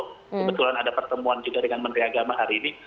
kebetulan ada pertemuan juga dengan menteri agama hari ini